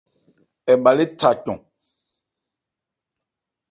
Ɛ bha lé tha cɔn.